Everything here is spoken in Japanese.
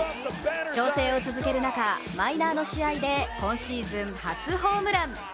調整を続ける中、マイナーの試合で今シーズン初ホームラン。